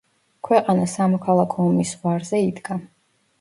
ქვეყანა სამოქალაქო ომის ზღვარზე იდგა.